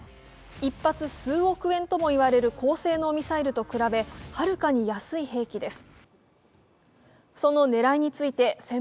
一発数億円ともいわれる高性能ミサイルと比べはるかに安い兵器です。